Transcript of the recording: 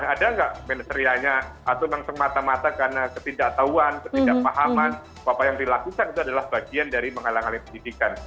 ada nggak peneserianya atau langsung mata mata karena ketidaktahuan ketidakpahaman apa yang dilakukan itu adalah bagian dari menghalang hal yang diinginkan